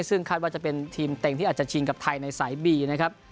ซึ่งคาดว่าจะเป็นทีมเต็งที่อาจจะชิงกับไทยในสายบีนะครับ